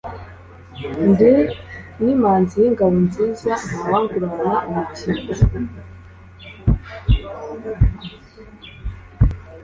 ndi n'imanzi y'ingabo nziza ntawangurana umukinzi,